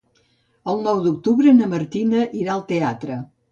El nou d'octubre na Martina irà al teatre.